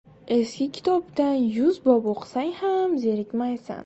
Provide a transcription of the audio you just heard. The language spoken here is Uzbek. • Eski kitobdan yuz bob o‘qisang ham zerikmaysan.